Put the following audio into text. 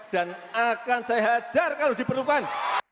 dan akan saya hajar kalau diperlukan